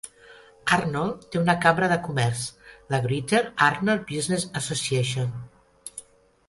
Arnold té una cambra de comerç, la Greater Arnold Business Association.